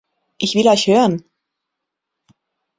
Ich will euch hören!